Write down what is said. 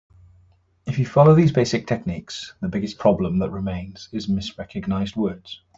If you follow these basic techniques, the biggest problem that remains is misrecognized words.